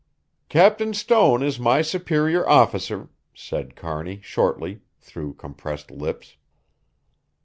"Captain Stone is my superior officer," said Kearney shortly, through compressed lips.